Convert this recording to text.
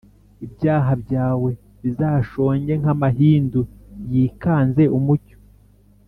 ibyaha byawe bizashonge nk’amahindu yikanze umucyo